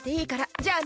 じゃあね！